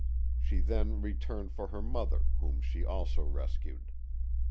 She then returned for her mother, whom she also rescued.